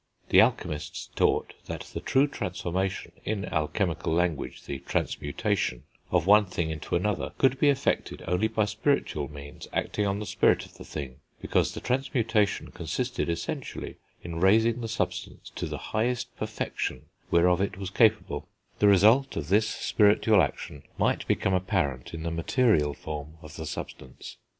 The alchemists taught that the true transformation, in alchemical language the transmutation, of one thing into another could be effected only by spiritual means acting on the spirit of the thing, because the transmutation consisted essentially in raising the substance to the highest perfection whereof it was capable; the result of this spiritual action might become apparent in the material form of the substance.